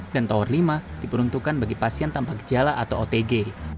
dan tower lima diperuntukkan bagi pasien tanpa gejala atau otg